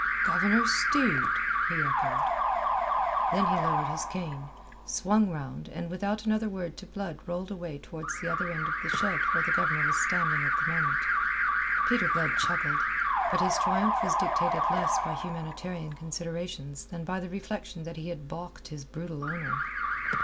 "Governor Steed!" he echoed. Then he lowered his cane, swung round, and without another word to Blood rolled away towards the other end of the shed where the Governor was standing at the moment. Peter Blood chuckled. But his triumph was dictated less by humanitarian considerations than by the reflection that he had baulked his brutal owner.